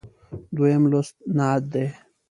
دویم لوست نعت دی.